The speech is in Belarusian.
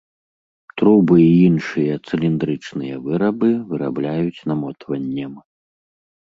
Трубы і іншыя цыліндрычныя вырабы вырабляюць намотваннем.